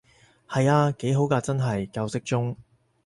係啊，幾好㗎真係，夠適中